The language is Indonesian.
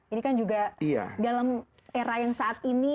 ini kan juga dalam era yang saat ini